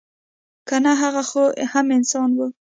که نه هغه خو هم انسان وه.